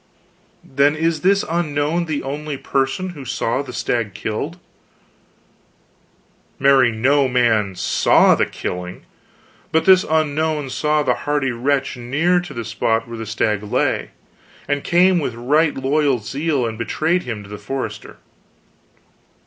"Then is this Unknown the only person who saw the stag killed?" "Marry, no man saw the killing, but this Unknown saw this hardy wretch near to the spot where the stag lay, and came with right loyal zeal and betrayed him to the forester."